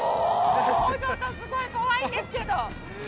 ちょっとすごい怖いんですけど。